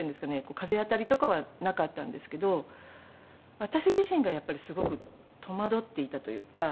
風当たりとかはなかったんですけど私自身がやっぱりすごく戸惑っていたというか。